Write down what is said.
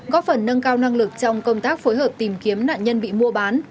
góp phần nâng cao năng lực trong công tác phối hợp tìm kiếm nạn nhân bị mua bán